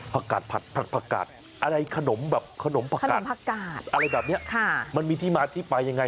ผักกาดผัดผักกาดอะไรขนมมันมีที่มาที่ไปยังไง